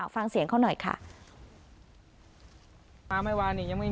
ฟังเสียงเขาหน่อยค่ะ